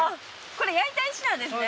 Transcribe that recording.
これ焼いた石なんですね